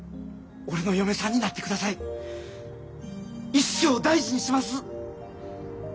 一生大事にします！